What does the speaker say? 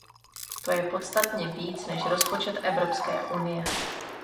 To je podstatně víc než rozpočet Evropské unie.